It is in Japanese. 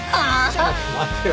ちょっと待ってよ。